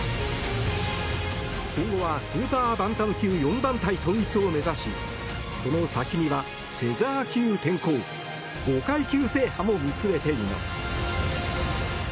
今後はスーパーバンタム級４団体統一王者を目指しその先にはフェザー級転向５階級制覇も見据えています。